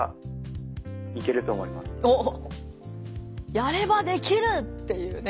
「やればできる！」っていうね。